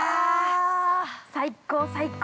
最高、最高。